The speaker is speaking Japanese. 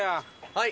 はい！